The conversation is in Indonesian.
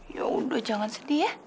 ya udah jangan sedih ya